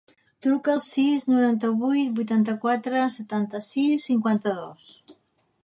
Truca al sis, noranta-vuit, vuitanta-quatre, setanta-sis, cinquanta-dos.